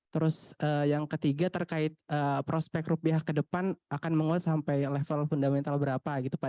terus yang ketiga terkait prospek rupiah ke depan akan menguat sampai level fundamental berapa gitu pak